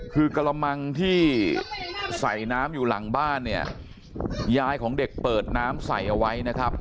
คือกระมังที่ใส่น้ำอยู่หลังบ้านเนี่ยยายของเด็กเปิดน้ำใส่เอาไว้นะครับ